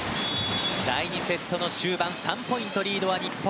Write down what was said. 第２セットの終盤３ポイントリードは日本。